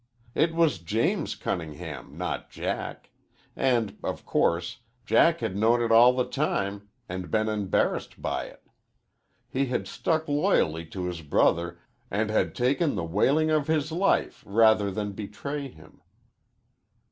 It was James Cunningham, not Jack. And, of course, Jack had known it all the time and been embarrassed by it. He had stuck loyally to his brother and had taken the whaling of his life rather than betray him.